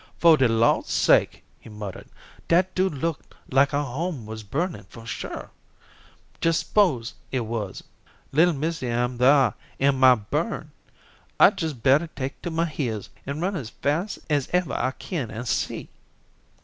"Foh de Lawd's sake," he muttered, "dat do look like our home wuz burnin' for sure. Jes' s'pose it wuz. Little missy am thar an' might burn. I'd jes' bettah take to my heels, an' run as fas' as ever I kin, an' see."